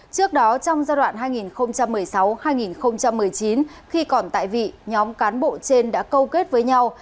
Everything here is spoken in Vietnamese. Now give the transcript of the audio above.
trước đó trong giai đoạn hai nghìn một mươi sáu hai nghìn một mươi chín khi còn tại vị nhóm cán bộ trên đã câu kết với nhau